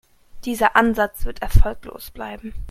Dieser Ansatz wird erfolglos bleiben.